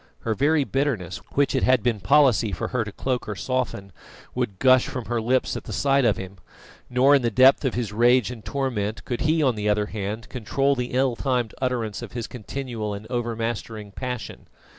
Her very bitterness, which it had been policy for her to cloak or soften, would gush from her lips at the sight of him; nor, in the depth of his rage and torment, could he, on the other hand, control the ill timed utterance of his continual and overmastering passion.